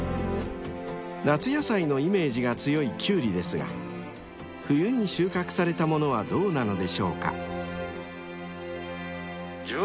［夏野菜のイメージが強いキュウリですが冬に収穫された物はどうなのでしょうか］